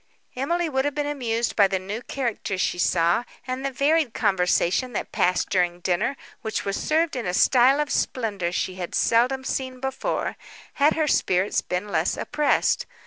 Emily would have been amused by the new characters she saw, and the varied conversation that passed during dinner, which was served in a style of splendour she had seldom seen before, had her spirits been less oppressed.